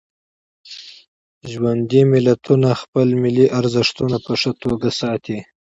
ژوندي ملتونه خپل ملي ارزښتونه په ښه توکه ساتي.